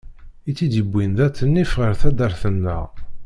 I tt-id-yewwin d at nnif ɣer taddart-nneɣ.